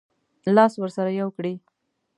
لاس ورسره یو کړي.